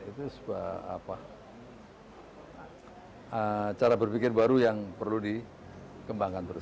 itu sebuah cara berpikir baru yang perlu dikembangkan terus